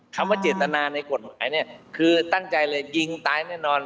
คำว่าเจตนาในกฎหมายเนี่ยคือตั้งใจเลยยิงตายแน่นอน